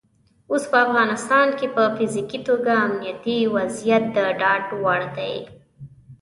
اوس په افغانستان کې په فزیکي توګه امنیتي وضعیت د ډاډ وړ دی.